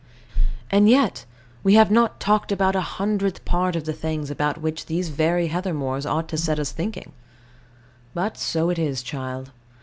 And yet we have not talked about a hundredth part of the things about which these very heather moors ought to set us thinking. But so it is, child.